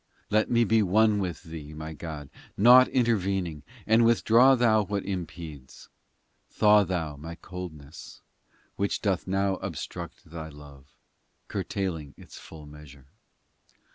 XIV Let me be one with Thee, my God, Naught intervening, and withdraw Thou what impedes ! Thaw Thou my coldness, Which doth now obstruct Thy love, Curtailing its full measure